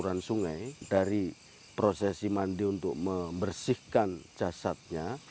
mereka harus menanggung sungai dari prosesi mandi untuk membersihkan jasadnya